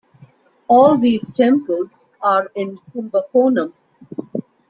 All these temples are in Kumbakonam.